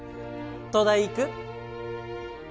東大行く？